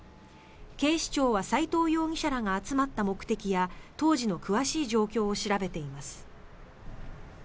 警視庁は斎藤容疑者らが集まった目的や当時の詳しい状況を調べています。